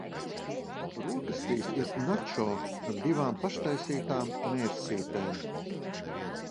Brokastīs ir načo ar divām paštaisītām mērcītēm.